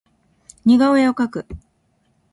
似顔絵を描く